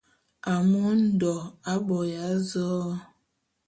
Amu Ondo aboya azoé.